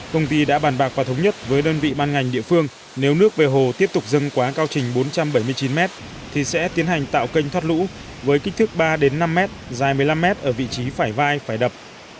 công ty đã bàn bạc và thống nhất với đơn vị ban ngành địa phương nếu nước về hồ tiếp tục dâng quá cao trình bốn trăm bảy mươi chín m thì sẽ tiến hành tạo kênh thoát lũ với kích thước ba năm m dài một mươi năm m ở vị trí phải vai phải đập